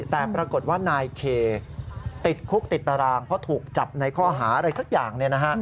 แต่ปรากฏว่านายเคติดคุกติดตารางเพราะถูกจับในข้อหาอะไรสักอย่าง